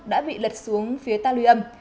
đã bị lật xuống phía ta lùi âm